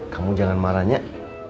kamu jangan marah nek